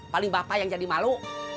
paling bapak yang jadi malu